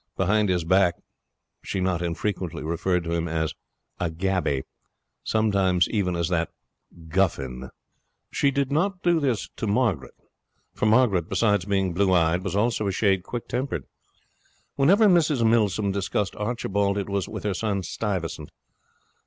Behind his back she not infrequently referred to him as a 'gaby'; sometimes even as that 'guffin'. She did not do this to Margaret, for Margaret, besides being blue eyed, was also a shade quick tempered. Whenever she discussed Archibald, it was with her son Stuyvesant.